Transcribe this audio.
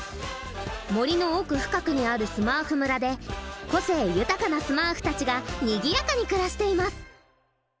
森の奥深くにあるスマーフ村で個性豊かなスマーフたちがにぎやかに暮らしています。